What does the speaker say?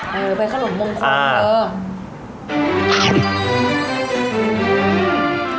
ไปไปขนมมงคลโบราณเถอะ